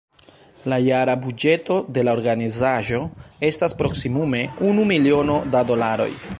La jara buĝeto de la organizaĵo estas proksimume unu miliono da dolaroj.